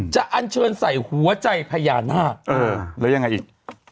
อันเชิญใส่หัวใจพญานาคแล้วยังไงอีก